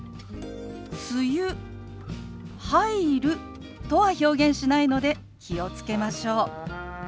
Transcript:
「梅雨入る」とは表現しないので気を付けましょう。